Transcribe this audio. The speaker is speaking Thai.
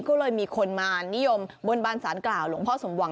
ก็เลยมีคนมานิยมบนบานสารกล่าวหลวงพ่อสมหวัง